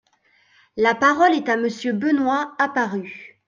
La parole est à Monsieur Benoist Apparu.